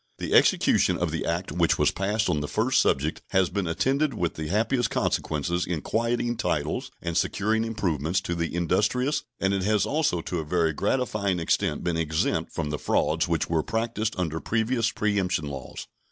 The execution of the act which was passed on the first subject has been attended with the happiest consequences in quieting titles and securing improvements to the industrious, and it has also to a very gratifying extent been exempt from the frauds which were practiced under previous preemption laws.